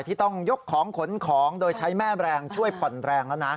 ที่ต้องยกของขนของโดยใช้แม่แรงช่วยผ่อนแรงแล้วนะ